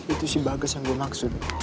itu si bagas yang gue maksud